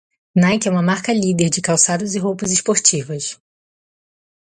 Nike é uma marca líder de calçados e roupas esportivas.